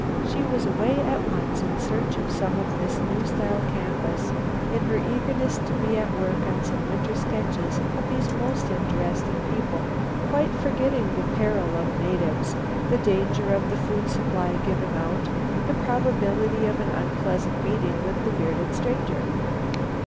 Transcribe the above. She was away at once in search of some of this new style canvas, in her eagerness to be at work on some winter sketches of these most interesting people, quite forgetting the peril of natives, the danger of the food supply giving out, the probability of an unpleasant meeting with the bearded stranger.